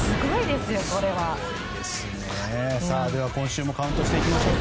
では、今週もカウントしていきましょう。